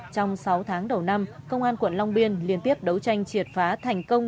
trong sáu tháng đầu năm công an quận long biên liên tiếp đấu tranh triệt phá thành công